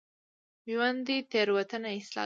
ژوندي تېروتنه اصلاح کوي